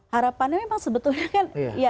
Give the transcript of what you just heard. harapannya memang sebetulnya